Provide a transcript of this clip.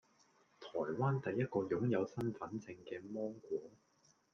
台灣第一個擁有身分證嘅芒果